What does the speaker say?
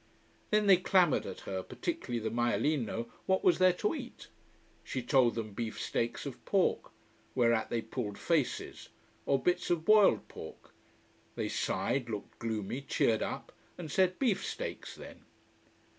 Then they clamoured at her, particularly the maialino, what was there to eat. She told them beef steaks of pork. Whereat they pulled faces. Or bits of boiled pork. They sighed, looked gloomy, cheered up, and said beef steaks, then.